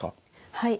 はい。